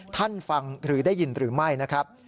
ท่านฟังหรือได้ยินหรือไม่นะครับ